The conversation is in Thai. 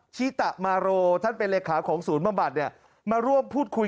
ชีตมาโรท่านเป็นลัยขาของสูตรบำบัดมาร่วมพูดคุย